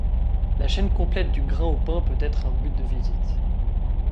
La chaîne complète du grain au pain peut être un but de visite.